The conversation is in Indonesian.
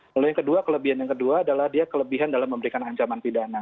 lalu yang kedua kelebihan yang kedua adalah dia kelebihan dalam memberikan ancaman pidana